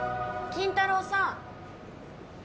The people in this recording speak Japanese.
筋太郎さん！